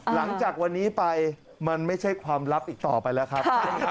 หลังจากวันนี้ไปมันไม่ใช่ความลับอีกต่อไปแล้วครับ